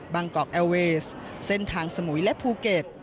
กอกแอร์เวสเส้นทางสมุยและภูเก็ต